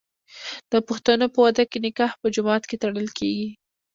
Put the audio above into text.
د پښتنو په واده کې نکاح په جومات کې تړل کیږي.